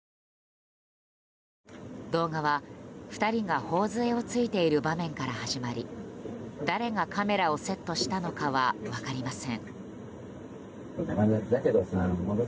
動画は２人が頬杖をついている場面から始まり誰がカメラをセットしたのかは分かりません。